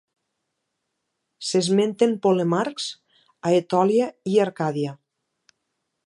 S'esmenten polemarcs a Etòlia i Arcàdia.